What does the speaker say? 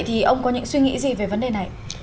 thì ông có những suy nghĩ gì về vấn đề này